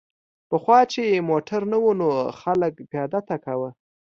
پخوا چې موټر نه و نو خلک پیاده تګ کاوه